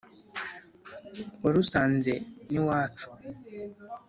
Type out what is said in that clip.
warusanze n’iwacu,